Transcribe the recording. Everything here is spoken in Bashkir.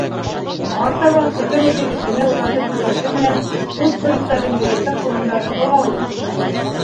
Артабан хөкөм ителеүсене оҙатып йөрөүсе менән суд приставы егеттең ҡулындағы бығауҙы систе.